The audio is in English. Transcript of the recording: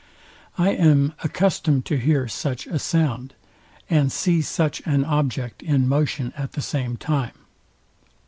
I am accustomed to hear such a sound, and see such an object in motion at the same time.